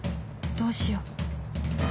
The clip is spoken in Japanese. どうしよう